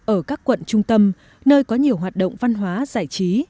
ở các quận trung tâm nơi có nhiều hoạt động văn hóa giải trí